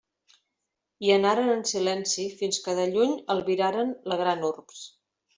I anaren en silenci fins que de lluny albiraren la gran urbs.